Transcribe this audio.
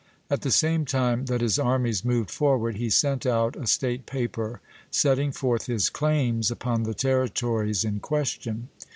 At the same time that his armies moved forward, he sent out a State paper setting forth his claims upon the territories in question.